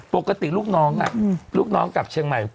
ปกติลูกน้องลูกน้องกลับเชียงใหม่